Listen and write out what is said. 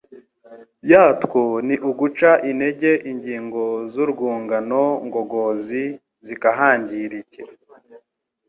yatwo ni uguca intege ingingo z’urwungano ngogozi, zikahangirikira.